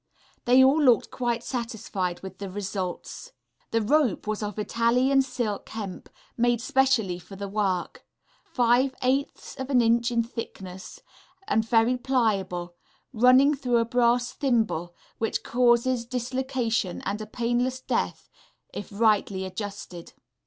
They all looked quite satisfied with the results. The rope was of Italian silk hemp, made specially for the work, 5/8 inch in thickness, and very pliable, running through a brass thimble, which causes dislocation and a painless death if rightly adjusted....